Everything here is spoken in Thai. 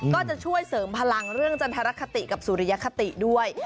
ก็จะช่วยเสริมพลังเรื่องจันทรคติกับสุริยคติด้วย